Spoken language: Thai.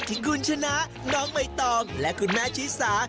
ถึงคุณชนะน้องใบตองและคุณแม่ชิสา